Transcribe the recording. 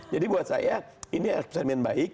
jadi buat saya ini eksperimen baik